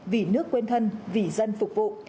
vì nước quên thân vì dân phục vụ